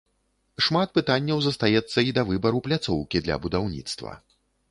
Шмат пытанняў застаецца і да выбару пляцоўкі для будаўніцтва.